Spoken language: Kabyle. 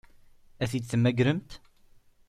Ad t-id-temmagremt?